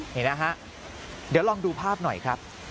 นี่นะฮะเดี๋ยวลองดูภาพหน่อยครับ